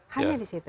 hanya di temanggung